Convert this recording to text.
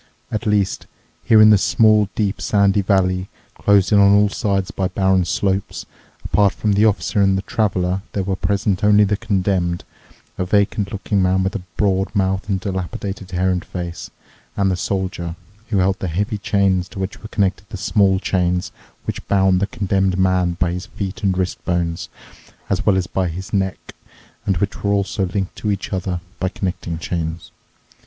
At least, here in the small, deep, sandy valley, closed in on all sides by barren slopes, apart from the Officer and the Traveler there were present only the Condemned, a vacant looking man with a broad mouth and dilapidated hair and face, and the Soldier, who held the heavy chain to which were connected the small chains which bound the Condemned Man by his feet and wrist bones, as well as by his neck, and which were also linked to each other by connecting chains.